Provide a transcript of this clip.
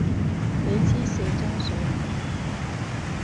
畀枝卸妝水我